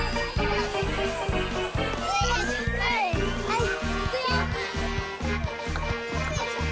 はい。